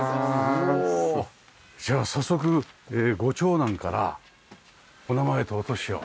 じゃあ早速ご長男からお名前とお年を。